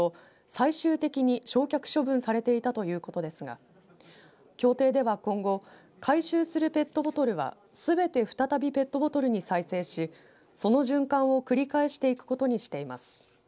最終的に焼却処分されていたということですが協定では今後回収するペットボトルはすべて再びペットボトルに再生しその循環を繰り返していくことにしています。